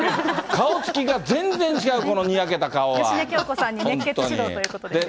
顔つきが全然違う、芳根京子さんに熱血指導ということですよ。